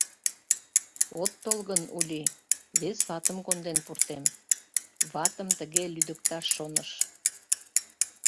— От тол гын, Ули, вес ватым конден пуртем, — ватым тыге лӱдыкташ шоныш.